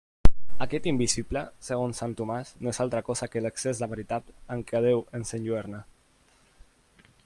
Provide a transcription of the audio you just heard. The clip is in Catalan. Aquest invisible, segons sant Tomàs, no és altra cosa que l'excés de veritat amb què Déu ens enlluerna.